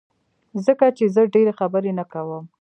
ځکه چي زه ډيری خبری نه کوم